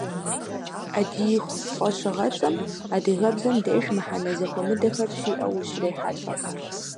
«Ӏэдииху» фӀэщыгъэцӀэм адыгэбзэм деж мыхьэнэ зэхуэмыдэхэр щиӀэу ущрехьэлӀэ.